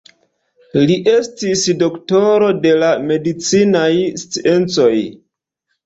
Li estis doktoro de la medicinaj sciencoj.